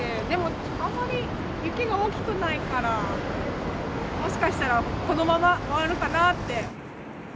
でも、あんまり雪が大きくないから、もしかしたらこのまま終わるかなって。